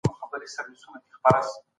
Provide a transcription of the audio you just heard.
پلار مي وويل چي د خپل هېواد تاريخ وپېژنه.